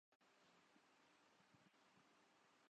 کہ وہ ایشوریا رائے کے بارے میں ایک ایسی